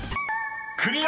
［クリア！］